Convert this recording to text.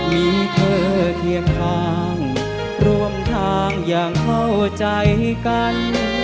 มีเธอเพียงทางรวมทางอย่างเข้าใจกัน